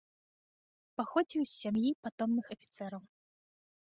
Паходзіў з сям'і патомных афіцэраў.